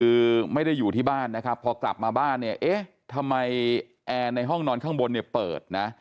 คือไม่ได้อยู่ที่บ้านนะครับพอกลับมาบ้านเนี่ยเอ๊ะทำไมแอร์ในห้องนอนข้างบนเนี่ยเปิดนะ